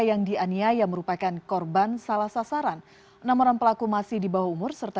yang dianiaya merupakan korban salah sasaran enam orang pelaku masih di bawah umur serta